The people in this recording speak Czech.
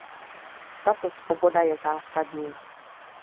Tato svoboda je zásadní.